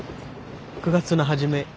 ９月の初め。